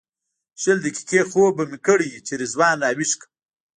شل دقیقې خوب به مې کړی وي چې رضوان راویښ کړم.